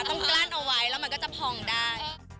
กลั้นเอาไว้แล้วมันก็จะพองได้